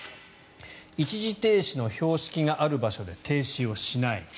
一時停止の標識がある場所で停止をしない。